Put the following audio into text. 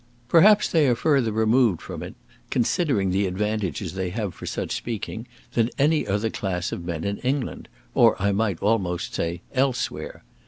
Perhaps they are further removed from it, considering the advantages they have for such speaking, than any other class of men in England, or I might almost say elsewhere.